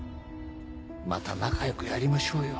また仲良くやりましょうよ